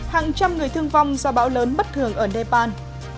hàng trăm người thương vong do bão lớn bất thường ở nepal